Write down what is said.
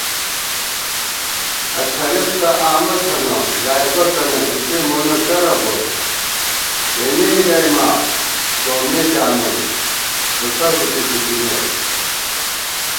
اڅَھرېت تہ آمہ تھنہ ژائےبَکَنہ اِتےمونہ کرہ بوت * تېنےگَئیماں سومّےپیانون فُݭہ ݫُپی ݪِکِمېت